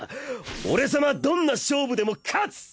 俺様はどんな勝負でも勝つ！